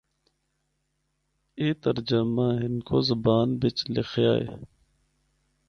اے ترجمہ ہندکو بچ لخیا اے۔